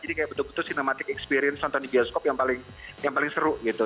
jadi kayak betul betul cinematic experience nonton di bioskop yang paling seru gitu